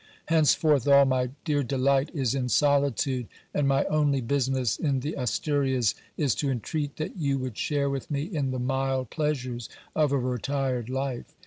Henceforth all my dear delight is in solitude ; and my only business in the Asturias is to entreat that you would share with me in the mild pleasures of a retired life.